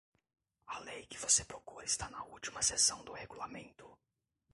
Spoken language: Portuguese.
A lei que você procura está na última seção do regulamento.